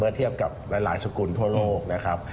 เทียบกับหลายสกุลทั่วโลกนะครับ